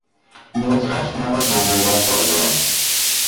نطقش مرا بغیرت آ ورد